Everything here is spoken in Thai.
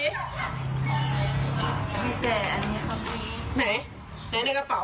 ไหนไหนในกระเป๋า